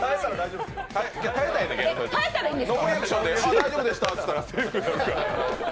ノーリアクションで大丈夫でしたと言ったらセーフ。